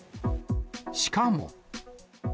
しかも。